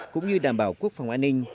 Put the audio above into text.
cũng như đảm bảo quốc phòng an ninh